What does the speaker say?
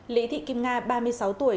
lý thị kim nga ba mươi sáu tuổi